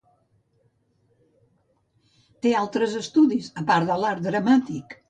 Té altres estudis, a part de l'art dramàtic?